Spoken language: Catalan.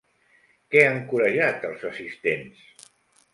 Què han corejat els assistents?